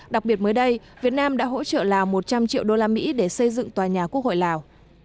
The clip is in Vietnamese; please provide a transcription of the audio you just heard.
đặc biệt mới đây việt nam đã hỗ trợ lào một trăm linh triệu đô la mỹ để xây dựng tòa nhà quốc hội lào